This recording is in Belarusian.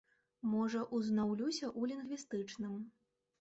Можа, узнаўлюся ў лінгвістычным.